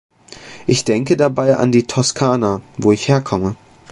Ich denke dabei an die Toskana, wo ich herkomme.